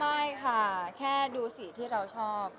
ไม่ค่ะแค่ดูสีที่เราชอบ